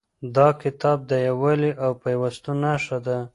دا کتاب د یووالي او پیوستون نښه ده.